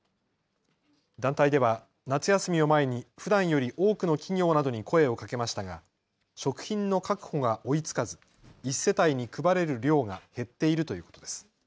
団体では夏休みを前にふだんより多くの企業などに声をかけましたが食品の確保が追いつかず１世帯に配れる量が減っているということです。